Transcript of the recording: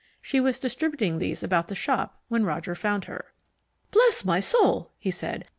She was distributing these about the shop when Roger found her. "Bless my soul!" he said.